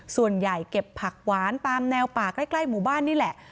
เก็บผักหวานตามแนวป่าใกล้หมู่บ้านนี่แหละ